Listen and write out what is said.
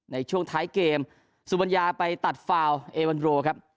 ในช่วงท้ายเกมสุบัญญาไปตัดฟาวเอวันโรครับ